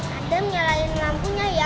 ada nyelain lampunya ya